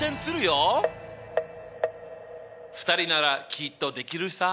２人ならきっとできるさ。